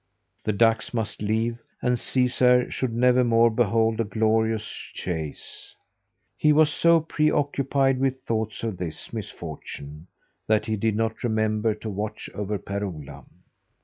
The ducks must leave, and Caesar should nevermore behold a glorious chase. He was so preoccupied with thoughts of this misfortune, that he did not remember to watch over Per Ola.